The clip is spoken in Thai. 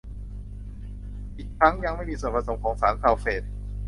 อีกทั้งยังไม่มีส่วนผสมของสารซัลเฟต